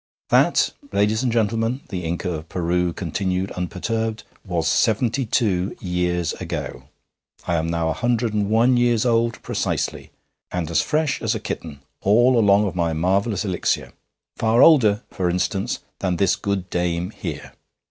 'That, ladies and gentlemen,' the Inca of Peru continued unperturbed, 'was seventy two years ago. I am now a hundred and one years old precisely, and as fresh as a kitten, all along of my marvellous elixir. Far older, for instance, than this good dame here.'